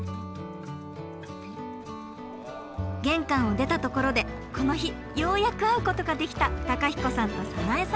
玄関を出たところでこの日ようやく会うことができた公彦さんと早苗さん。